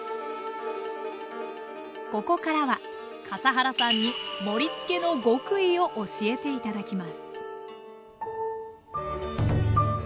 ここからは笠原さんに「盛りつけの極意」を教えて頂きます